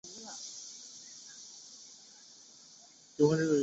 金属量通常是通过对光球中铁的相对于氢的丰度来决定。